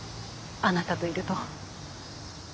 あなたといると。